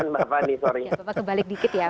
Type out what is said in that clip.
bapak kebalik dikit ya